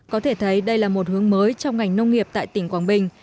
có thể thấy đây là một hướng mới trong ngành nông nghiệp tại tỉnh quảng bình